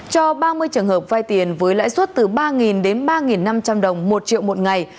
cho ba mươi trường hợp vai tiền với lãi suất từ ba đến ba năm trăm linh đồng một triệu một ngày